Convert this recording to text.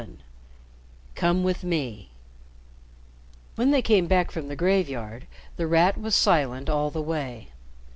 XI "COME WITH ME" When they came back from the graveyard, The Rat was silent all the way.